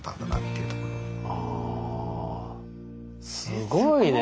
すごいね。